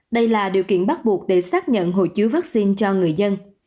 đây là điều kiện bắt buộc để xác nhận hộ chiếu vắc xin cho người dân